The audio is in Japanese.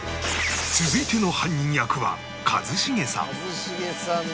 続いての犯人役は一茂さん